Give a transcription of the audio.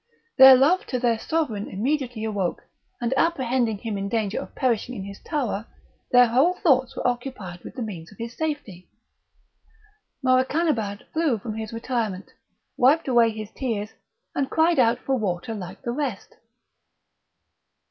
Their love to their sovereign immediately awoke; and, apprehending him in danger of perishing in his tower, their whole thoughts were occupied with the means of his safety. Morakanabad flew from his retirement, wiped away his tears, and cried out for water like the rest.